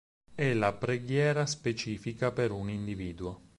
È la preghiera specifica per un individuo.